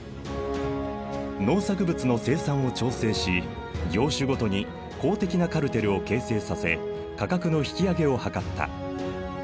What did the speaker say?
農作物の生産を調整し業種ごとに公的なカルテルを形成させ価格の引き上げを図った。